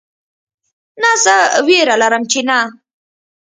نه زه ویره لرم چې نه